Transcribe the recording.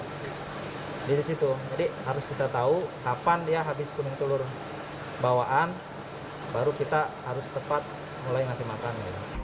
jadi di situ jadi harus kita tahu kapan dia habis kuning telur bawaan baru kita harus tepat mulai ngasih makan